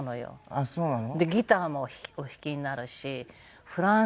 ああそうなの。